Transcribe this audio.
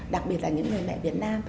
đặc biệt là những người mẹ việt nam